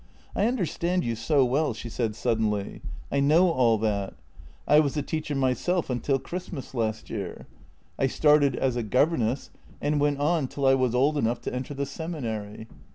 " I understand you so well," she said suddenly. " I know all that. I was a teacher myself until Christmas last year. I JENNY 4 5 started as a governess and went on till I was old enough to enter the seminary."